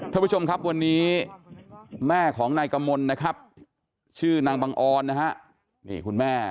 ท่านผู้ชมครับวันนี้แม่ของนายกมลนะครับชื่อนางบังออนนะฮะนี่คุณแม่